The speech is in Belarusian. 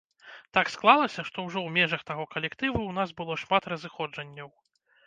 Так склалася, што ўжо ў межах таго калектыву ў нас было шмат разыходжанняў.